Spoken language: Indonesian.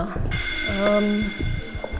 kepikiran mau nanya soal iqbal